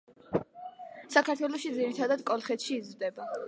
საქართველოში ძირითადად კოლხეთში იზრდება.